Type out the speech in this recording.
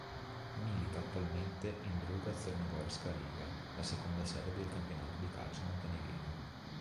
Milita attualmente in Druga crnogorska liga, la seconda serie del campionato di calcio montenegrino.